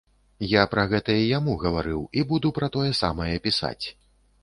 Я пра гэта і яму гаварыў і буду пра тое самае пісаць.